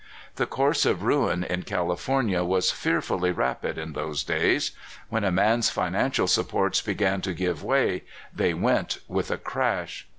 The course of ruin in California was fearfully rapid in those days. When a man's financial supports began to give way, they went with a crash.